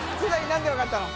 何で分かったの？